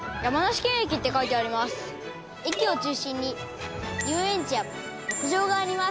駅を中心に遊園地や牧場があります。